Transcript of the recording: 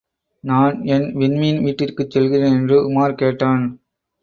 நான் என் விண்மீன் வீட்டிற்குச் செல்கிறேன் என்று உமார் கேட்டான்.